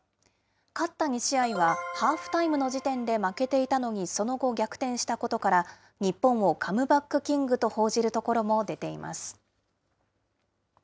勝った２試合は、ハーフタイムの時点で負けていたのに、その後逆転したことから、日本をカムバックキングと報じるところも出ています。